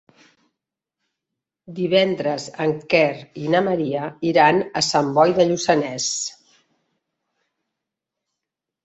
Divendres en Quer i na Maria iran a Sant Boi de Lluçanès.